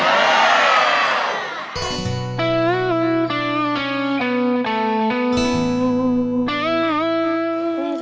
เรียบร้อย